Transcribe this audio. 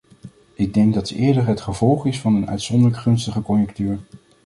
Ik denk dat ze eerder het gevolg is van een uitzonderlijk gunstige conjunctuur.